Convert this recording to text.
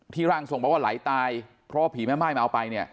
พี่รังทรงบอกว่าไหลตายเพราะพี่แม่ไม่เอาไป